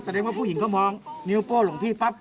ว่าผู้หญิงเขามองนิ้วโป้หลวงพี่ปั๊บ